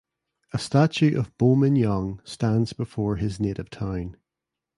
A statue of Bo Min Yaung stands before his native town.